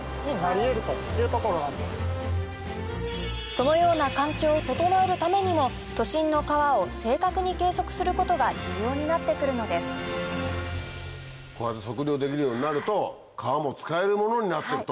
そのような環境を整えるためにも都心の川を正確に計測することが重要になってくるのですこうやって測量できるようになると川も使えるものになってくと。